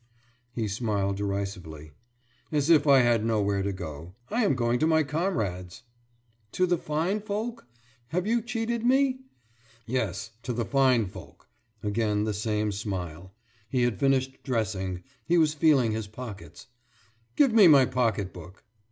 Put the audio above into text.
« He smiled derisively. »As if I had nowhere to go! I am going to my comrades.« »To the fine folk? Have you cheated me?« »Yes. To the fine folk.« Again the same smile. He had finished dressing, he was feeling his pockets. »Give me my pocket book.